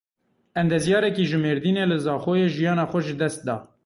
Endezyarekî ji Mêrdînê li Zaxoyê jiyana xwe ji dest da.